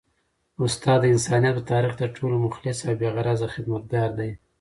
استاد د انسانیت په تاریخ کي تر ټولو مخلص او بې غرضه خدمتګار دی.